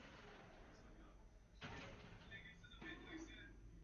Firma Unity Technologies provozuje bezplatnou i placenou verzi programu.